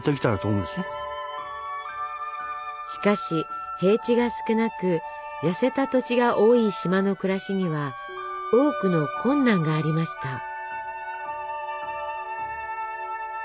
しかし平地が少なく痩せた土地が多い島の暮らしには多くの困難がありました。